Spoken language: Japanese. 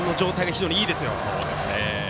非常にいいですよ。